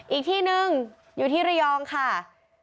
อีกที่หนึ่งอยู่ที่ระยองค่ะ